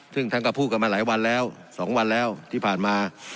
ซึ่งท่านก็พูดกันมาหลายวันแล้ว๒วันแล้วที่ผ่านมา